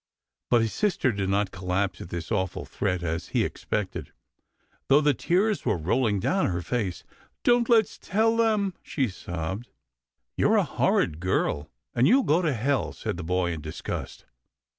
But his sister did not collapse at this awful threat, as he expected, though the tears were rolling down her face. "Don't let's tell them," she sobbed. " You're a horrid girl, and you'll go to hell," said the boy, in disgust.